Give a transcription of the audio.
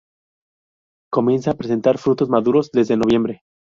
Comienza a presentar frutos maduros desde noviembre.